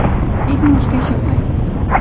Ell no es queixa mai.